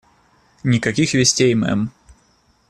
Никаких вестей, мэм.